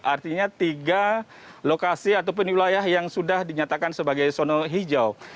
artinya tiga lokasi ataupun wilayah yang sudah dinyatakan sebagai sono hijau